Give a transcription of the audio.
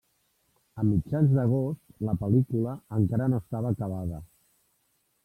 A mitjans d’agost la pel·lícula encara no estava acabada.